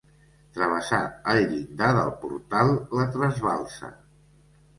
Travessar el llindar del portal la trasbalsa.